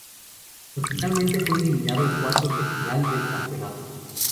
Pero finalmente fue eliminado en cuartos de final del campeonato.